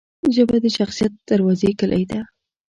ژبه د شخصیت دروازې کلۍ ده